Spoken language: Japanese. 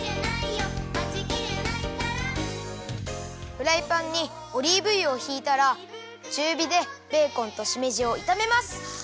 フライパンにオリーブ油をひいたらちゅうびでベーコンとしめじをいためます。